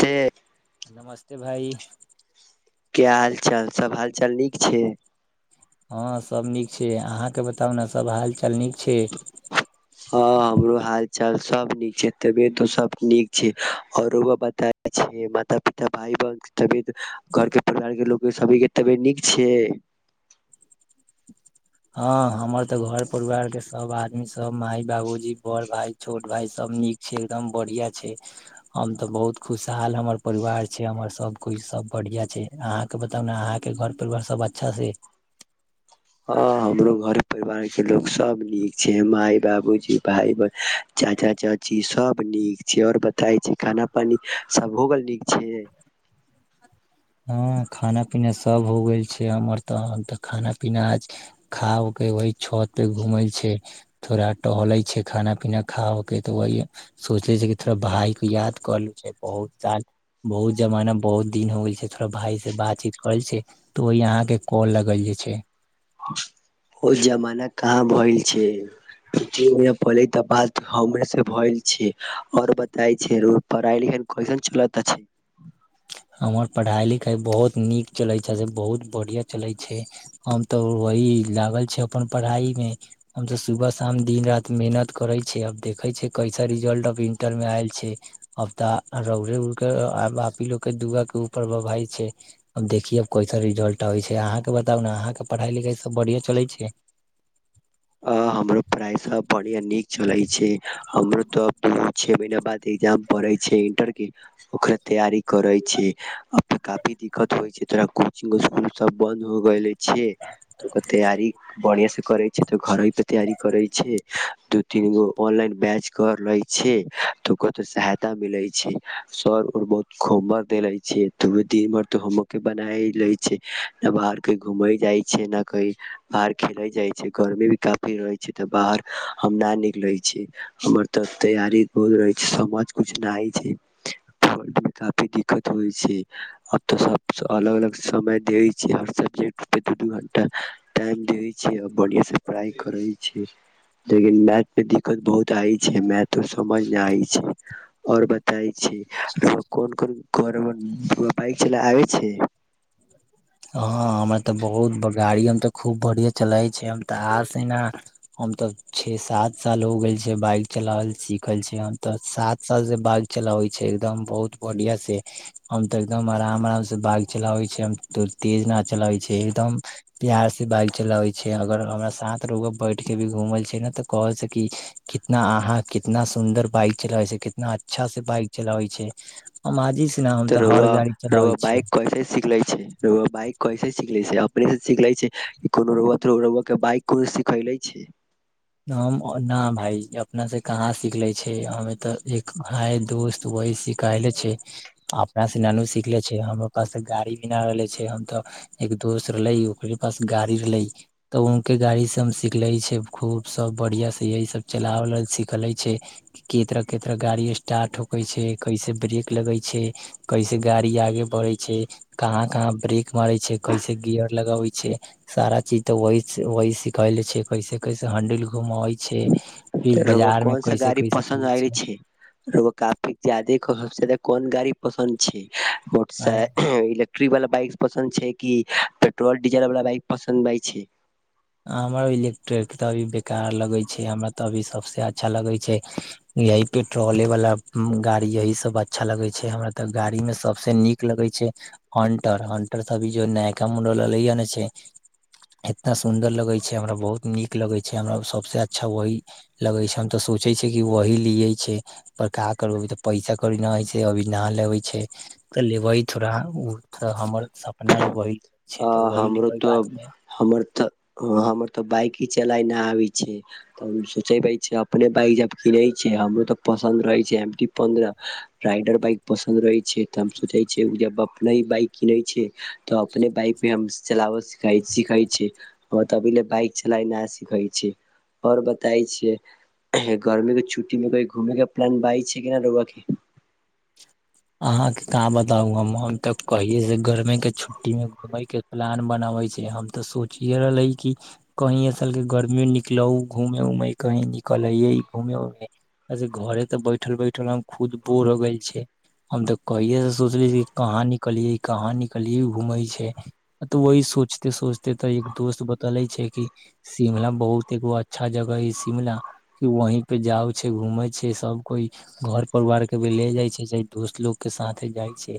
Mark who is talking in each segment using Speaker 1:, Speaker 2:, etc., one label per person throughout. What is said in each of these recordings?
Speaker 1: ते
Speaker 2: नमस्ते भाई।
Speaker 1: क्या हालचाल, सब हालचाल नीक छै।
Speaker 2: हँ, सब नीक छै अहाँके बताउ ने सब हाल चाल नीक छै
Speaker 1: हँ, हमरो हा चल सब नीक छै, तबियतो सब नीक छै, औरो बता छै माता-पिता, भाई-बहिन के तबियत। घरके प्रचार के लोक। सभी के तबियत नीक छै।
Speaker 2: हँ हमर तऽ घर परिवारके सभ आदमी सभ माय- बाबूजी बड़ भाय, छोट भाय, सभ नीक छै एकदम बढ़िआँ छै, हम तऽ बहुत खुशहाल हमर परिवार छै, हमर सभकछ सभ बढ़िआँ छै। अहाँके बताउ ने अहाँके घर परिवार सभ अच्छासँ।
Speaker 1: हँ, हमरो घर परिवार के लोग सब नीक छै, मााय, बाबूजी, भाय, बह चाचा-चाची सब नीक छै, ओर बताय छै खाना पानी सब हो गेल नीक छै।
Speaker 2: हाँ, खाना पीना सब हो गेल छै, हमर तऽ तऽ खाना पीना आज खाके वहि छत पे घूमल छै थोड़ा टहले छै खाना पीना खाउके तऽ वह सोचे छै कि थोड़ा भााय के याद कर लू। बहुत सा बहुत जमाना बहुत दिन हो गेल छै। भााय से बातचीत करल छै तऽ ओहि यहाँ के कॉल लगइले छै।
Speaker 1: ओ जमाना कहाँ भल छै, दु महीना पहिले ही त बात हमरे भई छै, आओर बता छै रो पढ़ाई लिखाई कैसन अछी।
Speaker 2: हमर पढ़ाई लिखाई बहुत नीक चले छै से बहुत बढ़िया चले छै, हम तऽ वही लागल छी अपन पढ़ाई मे, हम त सुबह शाम दिन राति मेहनत करे छी, अब देखे छै कैसा रिजल्ट अब इंटर मे आयल छै, अब तऽ रउरे उड़ के अब आप ही लोग दुआ के ऊपर भइ छै, अब देखिय कैसा रिजल्ट आबै छै, अहाँके बताउ ने अहाँके पढ़ाई लिखाई सब बढ़ििया चलै छै।
Speaker 1: आ हमरो पढ़ाइ सब बढ़ििया नीक चले छै, हमरो तऽ दू छे महीना बाद ए्जाम पढ़े छै इंटर के ओकरा तैयारी करै छै। अब तऽ काफी दिक्कत होइ छै। तरह कोचिंग स्कूल सब बन्द हो गेल हे। छै, तऽ ओकर तैयारी बढ़िआ से करै छै। घरे पे तैयारी करे छै, दू-तीन गो ऑनलाइन बैच कर ले छै त ओकरोो सहायता मिले छै, सर ऊर बहुत होमर देले छै दिन भर त होमवरके बना ले छै, न बाहर कही घूमे जाय छै ने कही बाहर खेले जाय छै। गर्मी भी काफी रहै छै, तऽ बाहर हम नहि निकले छी हमर तऽ तैयारी बहुत रह छै समझ कुछ नहि छै काफी दिक्कत होइ छै, अब तऽ सब अलग अलग समय देै छै, हर सब्जेक्ट दू दू घंटा टाइम दे छै। बढ़आ से पढ़ाइ करै छै, लेकिन मैथ मे दिक्कत बहुत आय छै मैथ समझ नहि आय छै, आओर बताइ छै कोन कोन गाड़ी चला आबै छै।
Speaker 2: हँ, हमरा तऽ बहुत गाड़ी हम तऽ खूब बढ़िया चलाे छै तऽ आज ने हम तऽ छे सात साल हो गेल छै बाइक चलावल सिखल छी, तऽ सात साल से बाइक चलाबै छै, एकदम बहुत बढ़ििया से हम तऽ एकदम आराम आराम से बाइक चलाबै छै। तो तेज न चलाबै छै, एकदम प्यार से बाइक चलाबै छै, अगर हमरा साथ लोगो बैठ के भी घूमल छै ने तऽ कहल से की कितना अहााँ कितना सुन्दर बाइक चलाबै छै, कितना अच्छा से बाइक चलाबै छै, हमज
Speaker 1: तऽ रउवा रउवा, बाइक कैसे सीखले छै। रउवा बाइक कैसे सीखले छै, अपनेसँ सीख ले छै कि रउवा बाइक कोनो सिखले छै।
Speaker 2: हम न भााय अपना से कहाँ सिखले छै, हम तऽ एक हाय दोस्त वह सिखले छै, अपना से नानू सिखले छै, हमरा पास गाड़ी भी नहि रहले छै, हम तऽ एक दोस्त रहले ओकरे पास गाड़ी रहले तऽ उके गाड़ी से हम सिखले छै। खूब सब बढ़िआँसँ यही सब चलाबैल सिखले छै, कतरा केतरा गाड़ी स्टार्ट होकै छै, कैसे ब्रेक लगै छै, कैसे गाड़ी आगे बढ़ै छै, कहाँ कहाँ ब्रेक मारै छै, कैसे गिियर लगबै छै, सारा चीज तऽ वह वही सिखल छै कैसे कैसे हंडिल घुमवै छै। फिर
Speaker 1: रउवा
Speaker 2: बाजार में
Speaker 1: कोन सा
Speaker 2: कैसे
Speaker 1: गाड़ी
Speaker 2: कैसे
Speaker 1: पसन्द
Speaker 2: चले
Speaker 1: आले छै, रउवा काफी जादे सब जादा कोन गाड़ी पसन्द छी। मोटर सा
Speaker 2: अरे
Speaker 1: इले ट्री वाला बइक पसंद छै कि पेट्रोल-डीजल वाला बइक पसन्द भइ छी।
Speaker 2: हमरा इलेक्ट्रिक तऽ अभी बेकार लगै छै, हमरा तऽ अभी सबस अच्छा लगै छै यही पेट्रोले वाला गाड़ी यही सब अच्छा लगै छै, हमरा तऽ गाड़ी मे सबस नीक लगै छै हंटर, हंटर सब अभी जो नयका मुडल अलैय ने छै इतना सुन्दर लगै छै, हमरा बहुत नीक लगै छै, हमरा सबसँ अच्छा वही लगै छै, हम तऽ सोचै छिय कि वही लियै छै, पर का करू अभी तऽ पैसा कड़ी नहि हइ छै, अभी न लेबै छै तऽ लेबै थोड़ा ओ हमर अपना वही ले छै
Speaker 1: अ
Speaker 2: तऽ ओही लेबै बादमे
Speaker 1: ह हमर तऽ बाइक ही चलाय नहि आबै छै, त सोचेै छी अपने बाइक जब किनै छै, हमरो तऽ पसन्द रहै छै, पन्द्रह राइडर बाइक पसन्द रहै छै। तऽ हम सोचै छियै ओ जेबा नहि बाइक किनै छै। तऽ अपने बाइक हम चलाबख सिखै छी, त अभी ल बाइक चलाई न सिखै छै, आओर बताई छैय गर्मी के छुट्टी मे को घूम के प्लान बइ छै रउवा के।
Speaker 2: अहाँके कहाँ बताउ हम, हम तऽ कहिे से गर्मेी के छुट्टी मे घूमे के प्लान बनाबे छै, हम तऽ सोचिये रहले कि कही अस गर्मी निकलहु घूमे उऊमे कहीं निकले घूमे उमे, घरे तऽ बैठल बैठल हम खुद बोर हो गेल छी। हम तऽ कहिे से सोचले छी, कहाँ निकलियै, कहाँ निकलियै घूमै छै, तऽ वही सोचते सोचते तऽ एक दोस्त बतले छै कि शिमला बहुत एगो अच्छा जगह हे शिमला कि वही पे जाउ छै, घूमे छै सब कोइ, घर परिवार के भ ले जाइ छै। दोस्त लोग के साथे जाइ छै,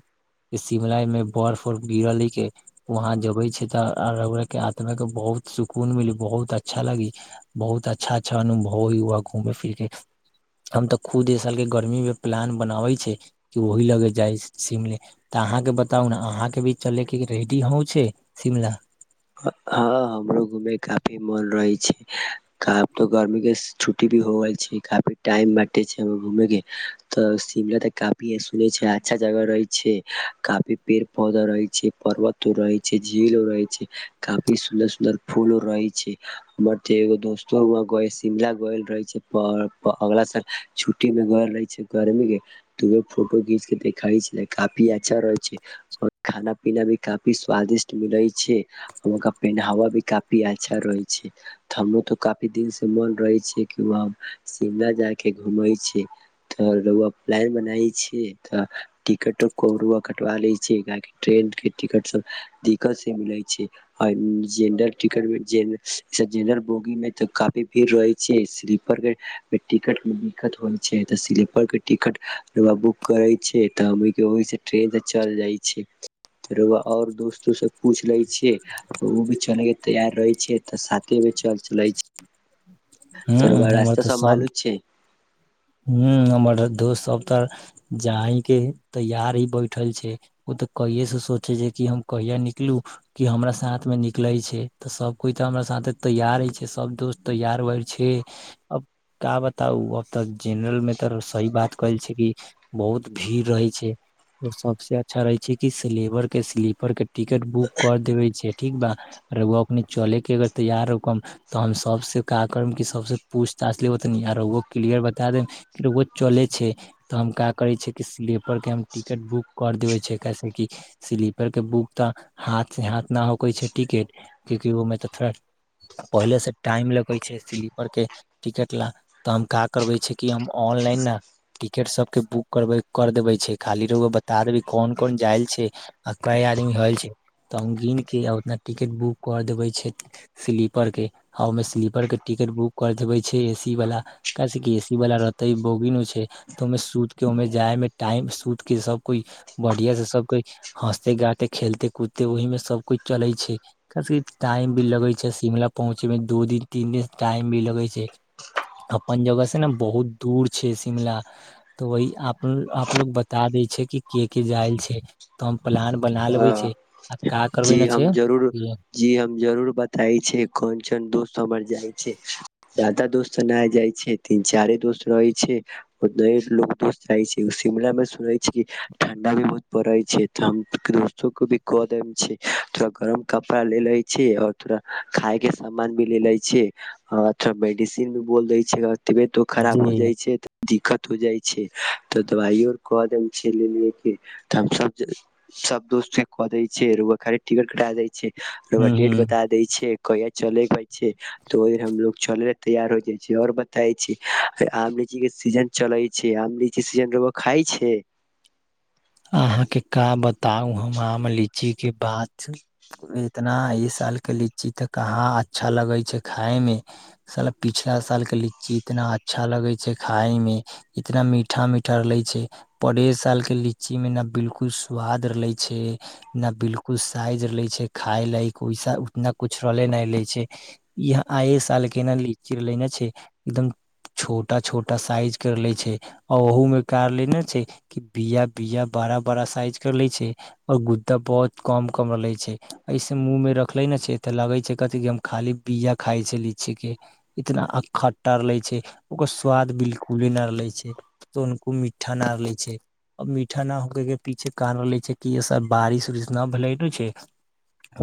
Speaker 2: शिमला में बर्फ उर्फ गिरल है के वहाँ जबे छै तऽ आत्मा के बहुत सुकून मिली बहुत अच्छा लागी, बहुत अच्छा-अच्छा अनुभव हो वाँ घूमे फिर के हम तऽ खुद ए साल के गर्मी मे प्लान बनाबे छै। कि ओही लग जाइ शिमले, तऽ अहाँके बताउ ने अहाँके भी चलेके रेडी ह छै शिमला
Speaker 1: हँ, हमरो घूमे के काफी मन रहे छै, क तो गर्मी के छुट्टी भी हो गेल छै, काफी टाइम बटे छै घूमे के तऽ शिमला तऽ काफी सुने छै अच्छा जगह रहे छै, काफी पेड़ पौधा रहे छै, पर्वतो रहे छै, झीलो रहे छै। काफी सुदर सुंन्दर फूल रहे छै, हमर त एगो दोस्तो व शिमला गल रहे छै, अगला साल छुट्टी में गल रहे छै, गर्मी के फोटो घींच के देखई छै, काफी अच्छा रहे छै, खाना पीना भी काफी स्वादिष्ट मिलै छै। उनका पहनावा भी काफी अच्छा रहे छै, हमरो तो काफी दिन से मन रहे छै कि व सिमला जाय के घूमे छै, त रउवा प्लान बनाई छै तऽ टिकट को कटवा ले छी, काह की ट्रेन के टिकट सब दिक्कत से मिल छै, आ जेनरल टिकट जेनरल स जेनरल बोगी मे त काफी भीड़ रहै छै, स्लीपर के टिकट मे दिक्कत होइ छै, त स्ीपर के टिकट रउवा बुक करे छै तऽ अभी के होई ट्रेन से चल जाइ छै। रउवा और दोस्तो से पूछ लै ते ओ चले के तैयार रहै छैै तऽ साथे भ चल चलै छै।
Speaker 2: ह्म्म, हमर तऽ सभ
Speaker 1: मालूम छै
Speaker 2: ह्म्म, हमर दोस्त सब तऽ जा ह के तैयार ही बैठल छै, ओ तऽ कहिे से सोचे छै कि हम कहिा निकलू कि हमरा साथ मे निकले छै तऽ सब कोइ तऽ हमरा साथ तैयार ही छै, सब दोस्त तैयार छै, अब क बताउ अब तऽ जेनरल मे तऽ सही बात कहल छै कि बहुत भीड़ रहै छै, आओर सबसँ अच्छा रहै छै कि स्र के स्लीपर के टिकट बुक कर देबे छै ठीक बा, रउवा ओकनी चले के अगर तैयार हो तऽ हम सबस का करब कि सबसँ पूछताछ लेबनी आऊ रउवो क्लियर बता देब ओ चलै छै, तऽ हम क्य करै छियै कि स्लीपर के हम टिकट बुक करि देबै छै, कैसेेक कि स्लीपरके बुक तऽ हाथ सँ हाथ नहि होकै छै टिकट, क्यकि ओहिमे तऽ थोड़ा पहिले सँ टाइम लगै छै स्लीपर के टिकट ल तऽ हम का करबे छै कि हम ऑनलाइन टिकट सबके बुक करब कर देबे छै, खाली रउवा बता देबै कोन कोन जायल छै, अतना आदमी होयल छै, तऽ हम गिन के ओतना टिकट बुक कर देबे छै स्लीपर के, आ ओहिमे स्लीपर के टिकट बुक कर देबे छै एसी वाला। कैसेक कि एसी वला रहतै बोगिनो छै, तऽ ओहिमे सुत कऽ ओहिमे जायमे टाइम सुत कऽ सभ कोई बढ़िआँ सँ सभ कोइ हँसते-गाते, खेलते-कूदते, ओहीमे सभ कोई चलई छै, कैसेक कि टाइम भी लगै छै शिमला पहुँचैमे दो दिन, तीन दिन, टाइम भी लगै छै आऊ अपन जगह से ने बहुत दूर छै शिमला, तऽ वही आपन अपलोग बता दै छै कि के के जायल छै, तऽ हम प्लान बना लेबे छै। आ का करबे
Speaker 1: जी
Speaker 2: ने छै
Speaker 1: हम जरूर, जी हम जरूर बताय छी कोन चन दोस्त हमर जाय जादाा दोस्त नहि जाय छै, तीन-चारे दोस्त रहे छै, बदा एक लोग दोस्त रहय छै, शिमला में सुनै छै क ठंडा भी बहुत पड़ै छै, हम दोस्तो को भी कहै देब छै। थोड़ा गरम कपड़ा ले ले छी और थोड़ा खााय के सामान भी ले ले छी आऔर थोड़ा मेडिसिन भी बोल दे छै अ तबियतो
Speaker 2: जी
Speaker 1: खराब हो जाइ छै तऽ दिक्कत हो जाइ छै, तऽ दबाइयो कऽ दे छैिय ले लिये के तऽ हम सभ-सभ दोस्त के कऽ दै छियै रउवा खाली िकट कटा जाइ छै रउवा
Speaker 2: हूं
Speaker 1: डेट
Speaker 2: हूं
Speaker 1: बताई दै छै। कहिया चलेइ छै, तऽ ओहिर हमलोग चले ल तैयार हो जाइ छै, आओर बताै छी आम, लीची के सीजन चलै छै, आम, लीची सीजन खाइ छै।
Speaker 2: अहााँ के का बताउ हम आम, लीची के बात, इतना इ साल के लीची ते कहाँ अच्छा लगे छै खाय में, स पिछला साल के लीची इतना अच्छा लगे छै खााय में इतना मीठा-मीठा लगई छै, परे साल के ली लीची में न बिलकुल स्वाद रहले छै, ने बिलकुल साइज रहले छै, खाय लाइक ओसा उतना कुछ रहले न ले छै, ईहा यहााँ आय साल के ने लीची रहले ने छै एकदम छोटा छोटा साइज के रहले छै आ ओह मे कारले ने छै कि बियाा बीियाा बड़ा-बड़ा साइज के ले छै और गुद्दा बहुत कम कम ले छै, ऐस मुँह में रखले ने छै तऽ लगे छै कथि हम खाली बीियाा खााय छै, लीची के इतना खटटा ले छै, ओकर स्वाद बिलकुले नहिे छै, त हनको मीठा न ले छै। मीठा ना होक के पीछे कान रहले छै कि सब बारिश उरिश नहि भेले छै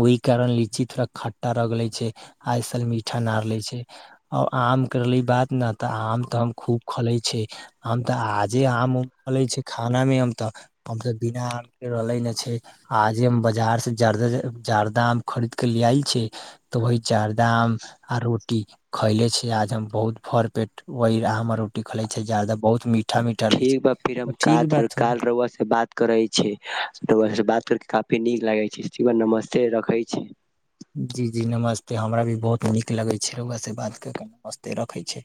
Speaker 2: ओहि कारण लीची थोड़ा खट्टा रह गेले छै, आज साल मीठा न रहले छै, आ आम के रहले बात ने तऽ आम तऽ हम खूब खले छै, हम तऽ आजे आम उ खले छै। खाना मे हम तऽ हम बिना आम के रहले ने छै, आज हम बाजार से जादा जारदा आम खरीद के ले आल छै, तऽ वहि जारदा आम आ रोटी खैले छै आज हम बहुत भर पेट वहि आम आ रोटी खले छै, जदा बहुत मीठ
Speaker 1: ठीक बा फिर हम कात काल रउवा से बात करै छै, रउवा से बात कर काफी नीक लागै छै, ठीक बा नमस्ते रखै छी।
Speaker 2: जी-जी नमस्ते, हमरा भी बहुत नीक लगै छै रउवा से बात कर कऽ, नमस्ते रखै छै।